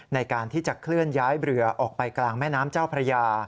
ในการที่จะเคลื่อนย้ายเรือออกไปกลางแม่น้ำเจ้าพระยา